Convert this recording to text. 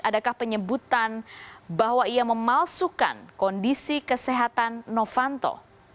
adakah penyebutan bahwa ia memalsukan kondisi kesehatan novanto